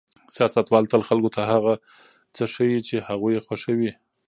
سیاستوال تل خلکو ته هغه څه ښيي چې هغوی یې خوښوي.